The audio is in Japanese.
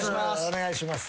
お願いします。